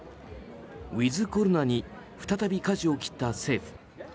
ウィズコロナに再び、かじを切った政府。